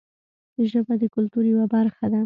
ژبه د کلتور یوه برخه ده